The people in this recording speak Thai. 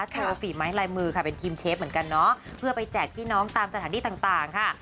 โชว์ฝีไม้ลายมือค่ะเป็นทีมเชฟเหมือนกันเนาะเพื่อไปแจกพี่น้องตามสถานที่ต่างค่ะ